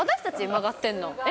曲がってるの？